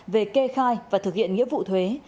về kê khai và thực hiện nghĩa vụ thuế